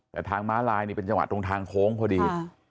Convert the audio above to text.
แต่ทางม้าลายนี่เป็นจังหวะตรงทางโค้งพอดี